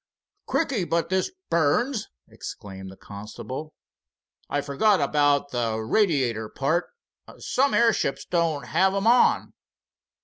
"Cricky! but this burns!" exclaimed the constable. "I forgot about the radiator part. Some airships don't have 'em on."